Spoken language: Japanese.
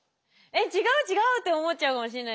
えっ違う違うって思っちゃうかもしれないです。